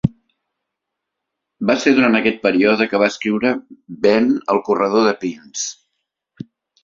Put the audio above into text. Va ser durant aquest període que va escriure "Vent al corredor de pins".